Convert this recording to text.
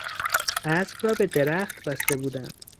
اسب را به درخت بسته بودند.